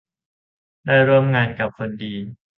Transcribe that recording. ได้ร่วมงานกับคนดี